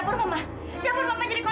kamu ngapain sih